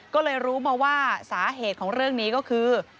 ก็เลยรู้มาว่าสาเหตุของเรื่องนี้ก็คือ